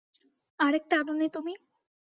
আরেকটা আনোনি তুমি?